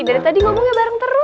dari tadi ngomongnya bareng terus